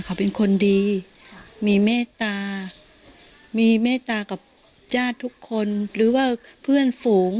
เขาเป็นคนดีมีเมตตามีเมตตากับญาติทุกคนหรือว่าเพื่อนฝูง